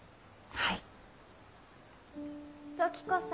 はい。